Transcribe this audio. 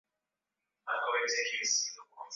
Bunda Bunda Mjini Serengeti Tarime Rorya na Tarime Mjini